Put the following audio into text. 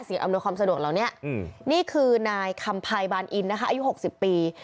อำนวยความสะดวกเหล่านี้นี่คือนายคำภัยบานอินนะคะอายุ๖๐ปี